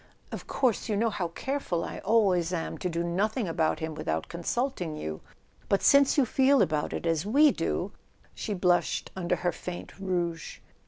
"Of course you know how careful I always am to do nothing about him without consulting you; but since you feel about it as we do " She blushed under her faint rouge.